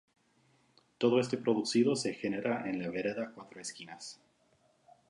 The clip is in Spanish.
Todo este producido se genera en la vereda Cuatro Esquinas.